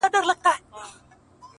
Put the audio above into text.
o خاموسي تر ټولو دروند حالت دی,